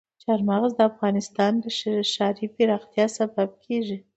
چار مغز د افغانستان د ښاري پراختیا سبب کېږي.